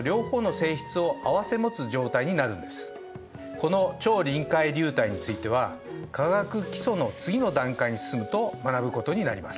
この超臨界流体については「化学基礎」の次の段階に進むと学ぶことになります。